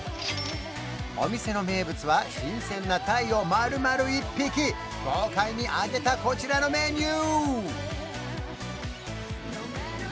お店の名物は新鮮なタイをまるまる一匹豪快に揚げたこちらのメニュー！